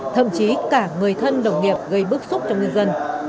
thậm chí cả người thân đồng nghiệp gây bức xúc cho nhân dân